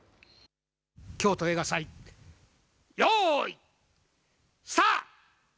京都映画祭ようい、スタート。